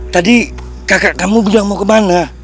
tadi kakak kamu bilang mau ke mana